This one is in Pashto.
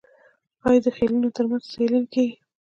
آیا د خیلونو ترمنځ سیالي نه کیږي؟